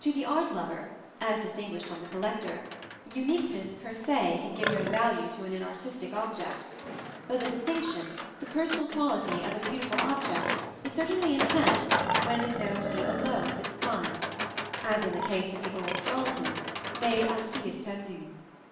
To the art lover, as distinguished from the collector, uniqueness per se can give no value to an inartistic object; but the distinction, the personal quality, of a beautiful object is certainly enhanced when it is known to be alone of its kind as in the case of the old bronzes made à cire perdue.